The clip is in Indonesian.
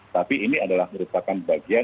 tapi ini adalah merupakan bagian